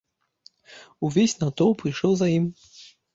Увесь натоўп ішоў за ім.